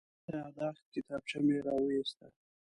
د یادښت کتابچه مې راوویسته.